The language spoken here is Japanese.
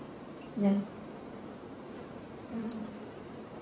ね。